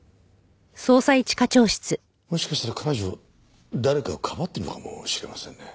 もしかしたら彼女誰かをかばってるのかもしれませんね。